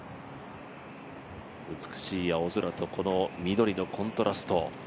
美しい青空とこの緑のコントラスト。